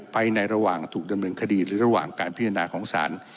ไปในระหว่างถูกดำเนินคดีหรือระหว่างการพิจารณาของศาล